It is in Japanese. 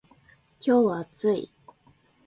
今日は暑い